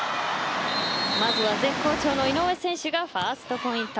まずは絶好調の井上選手がファーストポイント。